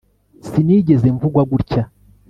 Sinigeze mvugwa gutya